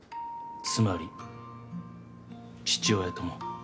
つまり父親とも。